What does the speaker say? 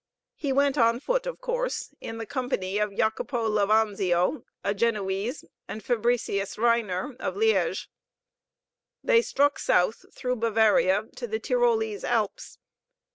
He went on foot, of course; in the company of Jacopo Levanzio, a Genoese, and Fabricius Reiner, of Liége. They struck south through Bavaria to the Tyrolese Alps.